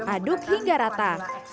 aduk hingga rata